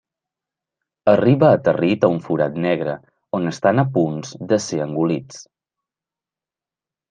Arriba aterrit a un forat negre, on estan a punts de ser engolits.